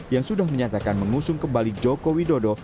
yang sudah menyatakan mengusung kembali joko widodo